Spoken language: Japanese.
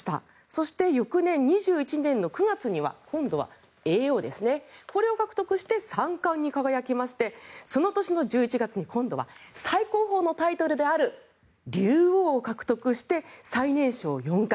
そして、翌年２１年９月には今度は叡王これを獲得して三冠に輝きましてその年の１１月に今度は最高峰のタイトルである竜王を獲得して最年少四冠。